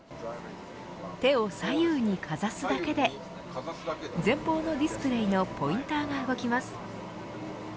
手を左右にかざすだけで前方のディスプレーのポインターが動きます。